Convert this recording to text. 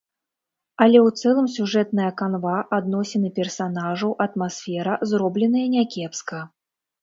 Але ў цэлым сюжэтная канва, адносіны персанажаў, атмасфера зробленыя някепска.